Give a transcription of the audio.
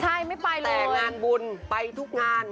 ใช่ไม่ไปเลยแต่งานบุญไปทุกงาน